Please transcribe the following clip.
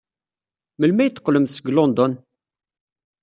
Melmi ay d-teqqlemt seg London?